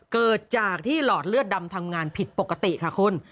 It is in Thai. เกิดจากที่หลอดเลือดดำทำงานผิดปกติค่ะคุณ